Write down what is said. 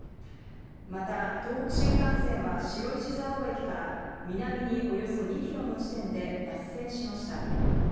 また東北新幹線は白石蔵王駅から南におよそ２キロの地点で脱線しました。